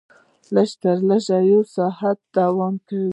لږ تر لږه یو ساعت دوام کوي.